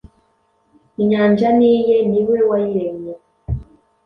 Inyanja ni iye, ni we wayiremye: